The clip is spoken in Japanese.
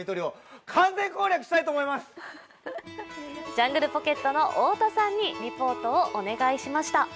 ジャングルポケットの太田さんにリポートをお願いしました。